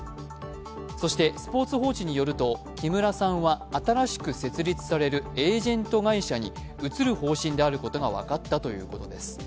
そして「スポーツ報知」によると木村さんは新しく設立されるエージェント会社に移る方針であることが分かったということです。